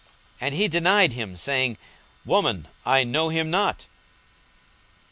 42:022:057 And he denied him, saying, Woman, I know him not.